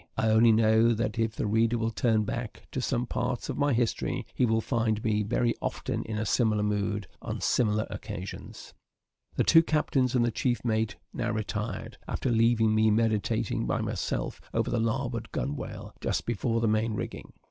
I only know, that if the reader will turn back to some parts of my history, he will find me very often in a similar mood, on similar occasions. The two captains and the chief mate now retired, after leaving me meditating by myself over the larboard gunwale, just before the main rigging.